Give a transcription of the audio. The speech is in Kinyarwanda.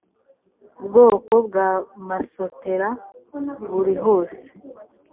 bwoko bwa masotera buri hose